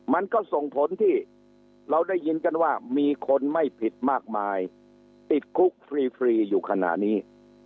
มันก็ส่งผลที่เราได้ยินกันว่ามีคนไม่ผิดมากมายติดคุกฟรีอยู่ขณะนี้